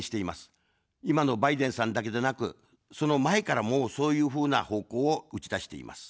今のバイデンさんだけでなく、その前から、もう、そういうふうな方向を打ち出しています。